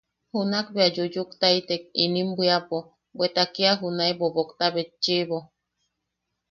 Junak bea yuyuktaitek inim bwiapo, bweta kia junae bobokta betchiʼibo.